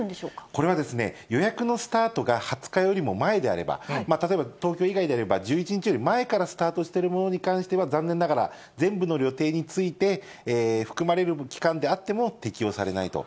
これは予約のスタートが２０日よりも前であれば、例えば東京以外であれば、１１日より前からスタートしているものに関しては、残念ながら、全部の旅程について、含まれる期間であっても適用されないと。